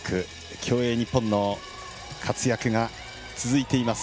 競泳日本の活躍が続いています。